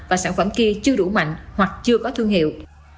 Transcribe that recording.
và sản phẩm kia chưa đủ mạnh hoặc chưa có thương hiệu